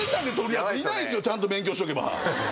ちゃんと勉強しとけば！